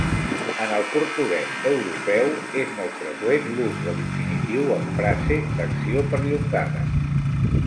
En el portuguès europeu és molt freqüent l'ús de l'infinitiu en frase d'acció perllongada.